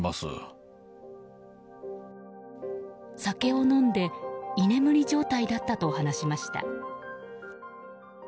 酒を飲んで居眠り状態だったと話しました。